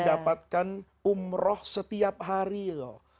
mendapatkan umroh setiap hari loh